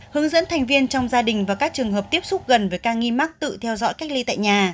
hướng dẫn thành viên trong gia đình và các trường hợp tiếp xúc gần với ca nghi mắc tự theo dõi cách ly tại nhà